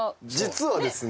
実はですね